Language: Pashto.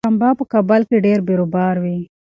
پنجشنبه په کابل کې ډېر بېروبار وي.